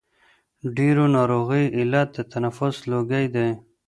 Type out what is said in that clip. ډېرو ناروغیو علت د تنفس لوګی دی.